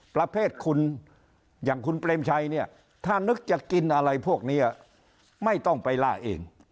ประเภทคุณอย่างคุณเปรมชัยเนี่ยถ้านึกจะกินอะไรพวกนี้ไม่ต้องไปล่าเอง